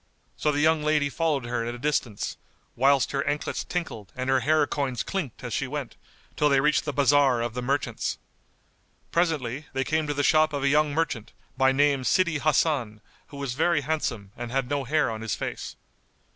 So the young lady followed her at a distance, whilst her anklets tinkled and her hair coins[FN#191] clinked as she went, till they reached the bazar of the merchants. Presently, they came to the shop of a young merchant, by name Sídí Hasan who was very handsome[FN#192] and had no hair on his face.